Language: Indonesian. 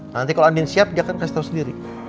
nanti kalau andin siap dia akan kasih tahu sendiri